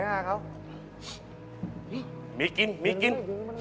เกิดอะไรขึ้น